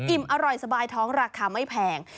อิ่มอร่อยสบายท้องราคาไม่แพง